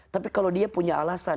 tapi kalau dia punya alasan